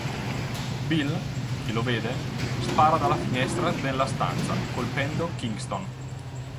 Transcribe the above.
Bill, che lo vede, spara dalla finestra nella stanza, colpendo Kingston.